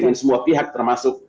dengan semua pihak termasuk